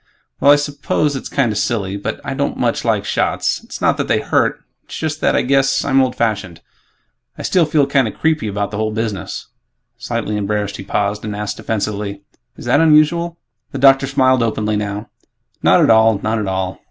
Well, I suppose it's kinda silly, but I don't much like shots. It's not that they hurt ... it's just that I guess I'm old fashioned. I still feel kinda 'creepy' about the whole business." Slightly embarrassed, he paused and asked defensively, "Is that unusual?" The doctor smiled openly now, "Not at all, not at all.